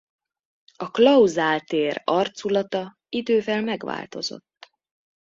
A Klauzál tér arculata idővel megváltozott.